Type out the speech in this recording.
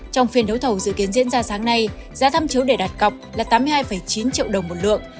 trong phiên đấu thầu dự kiến diễn ra sáng nay giá tham chiếu để đặt cọc là tám mươi hai chín triệu đồng một lượng